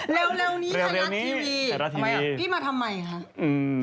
เร็วนี้ทะลัดทีมีพี่มาทำไมครับ